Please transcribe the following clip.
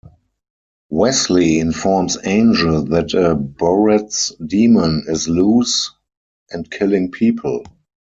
Wesley informs Angel that a Boretz demon is loose and killing people.